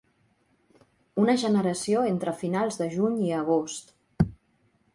Una generació entre finals de juny i agost.